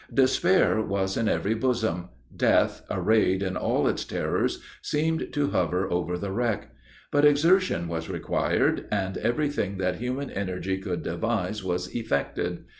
Despair was in every bosom death, arrayed in all its terrors, seemed to hover over the wreck. But exertion was required, and every thing that human energy could devise was effected.